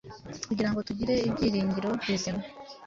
kugira ngo tugire ibyiringiro bizima,